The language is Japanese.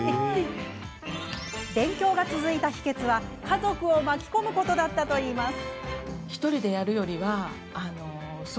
勉強が続いた秘けつは家族を巻き込むことだったといいます。